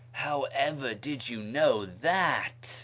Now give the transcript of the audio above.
" How ever did you know that